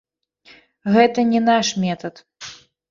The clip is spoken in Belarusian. Гэта не наш метад.